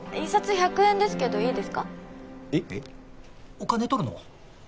お金取るの？